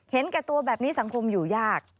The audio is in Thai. แก่ตัวแบบนี้สังคมอยู่ยาก